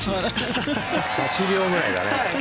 ８秒ぐらいだね。